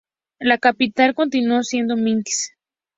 La capital continuó siendo Minsk.